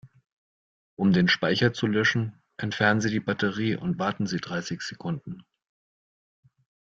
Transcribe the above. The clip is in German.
Um den Speicher zu löschen, entfernen Sie die Batterie und warten Sie dreißig Sekunden.